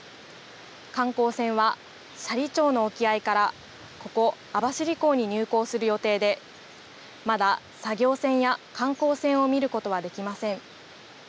観光船は斜里町の沖合からここ、網走港に入港する予定で、まだ作業船や観光船を見ることはできません。